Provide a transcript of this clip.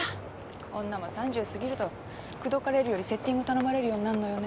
女も３０過ぎると口説かれるよりセッティング頼まれるようになるのよね。